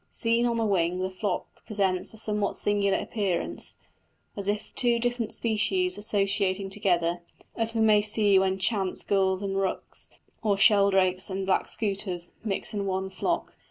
Seen on the wing the flock presents a somewhat singular appearance, as of two distinct species associating together, as we may see when by chance gulls and rooks, or sheldrakes and black scoters, mix in one flock.